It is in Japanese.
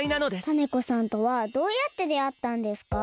タネ子さんとはどうやってであったんですか？